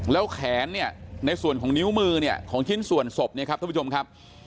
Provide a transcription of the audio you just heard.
แล้วแขนในส่วนของนิ้วมือของชิ้นส่วนศพนี่ครับท่านผู้ชมครับ